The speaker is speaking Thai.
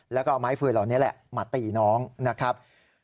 แล้วก็เอาไม้ฟืนเหล่านี้แหละมาตีน้องนะครับ